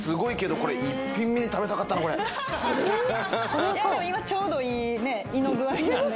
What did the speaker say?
これいやでも今ちょうどいいね胃の具合なんで・